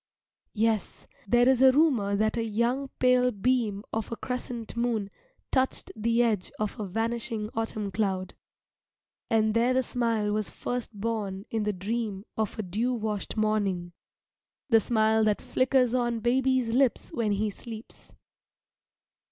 Yes, there is a rumour that a young pale beam of a crescent moon touched the edge of a vanishing autumn cloud, and there the smile was first born in the dream of a dew washed morning the smile that flickers on baby's lips when he sleeps.